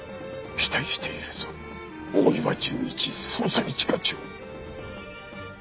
期待しているぞ大岩純一捜査一課長。